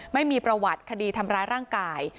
ไม่มีประวัติคดีทำร้ายร่างกาย